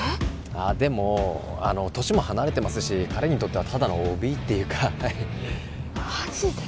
ああでも年も離れてますし彼にとってはただのＯＢっていうかマジで？